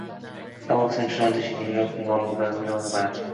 하고 학생은 초조한 듯이 인력거꾼의 얼굴을 바라보며 혼자말같이